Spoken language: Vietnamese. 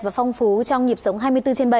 và phong phú trong nhịp sống hai mươi bốn trên bảy